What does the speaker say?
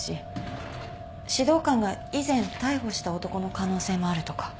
指導官が以前逮捕した男の可能性もあるとか。